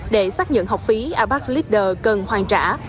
để xác nhận học phí abax leader cần hoàn trả